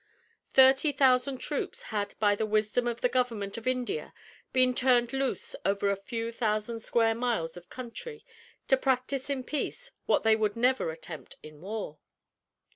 Thirty thousand troops had by the wisdom of the government of India been turned loose over a few thousand square miles of country to practice in peace what they would never attempt in war.